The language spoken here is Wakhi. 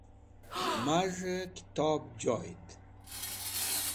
Maz̃he Kitob Joyd